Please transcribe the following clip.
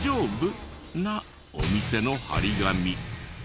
なお店の貼り紙。